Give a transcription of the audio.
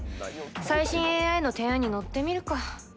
最新ＡＩの提案に乗ってみるか。